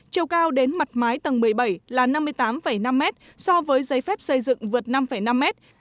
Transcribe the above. chiều cao đến mặt mái tầng một mươi bảy là năm mươi tám năm mét so với giấy phép xây dựng vượt năm năm mét